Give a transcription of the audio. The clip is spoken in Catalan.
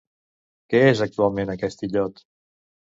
Què és actualment aquest illot?